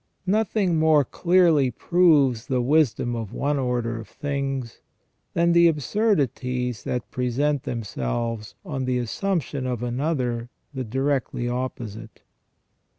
Nothing more clearly proves the wisdom of one order of things than the absurdities that present themselves on the assumption of another the directly opposite.